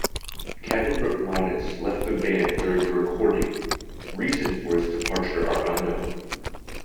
Kevin Rutmanis left the band during the recording; reasons for his departure are unknown.